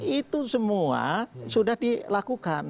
itu semua sudah dilakukan